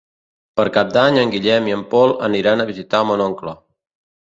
Per Cap d'Any en Guillem i en Pol aniran a visitar mon oncle.